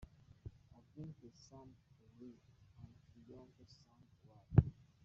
A vaincre sans péril on triomphe sans gloire!.